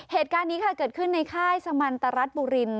เหตุการณ์นี้ค่ะเกิดขึ้นในค่ายสมันตรรัฐบุริน